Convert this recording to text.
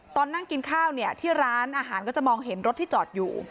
ตอนนั่งกินข้าวเนี่ยที่ร้านอาหารก็จะมองเห็นรถที่จอดอยู่